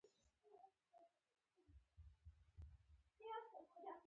شیعه فاطمیانو، صلیبیانو، د صلاح الدین ایوبي کردانو پوځونه راغلي.